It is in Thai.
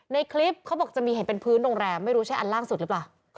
ในคลิปเขาบอกจะมีเห็นเป็นพื้นโรงแรมไม่รู้ใช่อันล่างสุดหรือเปล่า